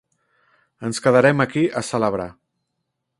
Ens quedarem aquí a celebrar.